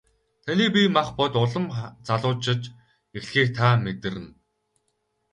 Таны бие махбод улам залуужиж эхлэхийг та мэдэрнэ.